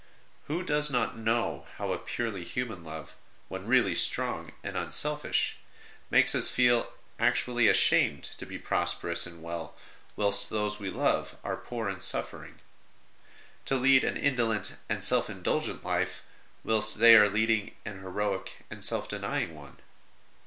Who does not know how a purely human love, when really strong and un selfish, makes us feel actually ashamed to be prosperous and well whilst those we love are poor and suffering ; to lead an indolent and self indul gent life whilst they are leading an heroic and self denying one